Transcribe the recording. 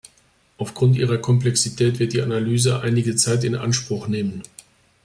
Aufgrund ihrer Komplexität wird die Analyse einige Zeit in Anspruch nehmen.